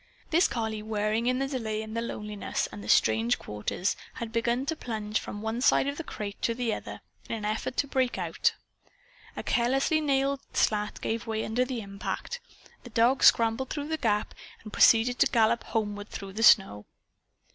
This collie, wearying of the delay and the loneliness and the strange quarters, had begun to plunge from one side of the crate to the other in an effort to break out. A carelessly nailed slat gave away under the impact. The dog scrambled through the gap and proceeded to gallop homeward through the snow.